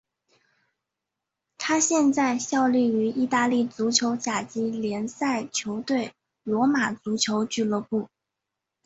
他现在效力于意大利足球甲级联赛球队罗马足球俱乐部。